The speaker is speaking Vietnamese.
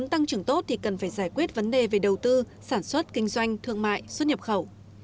nếu tăng trưởng tốt thì cần phải giải quyết vấn đề về đầu tư sản xuất kinh doanh thương mại xuất nhập khẩu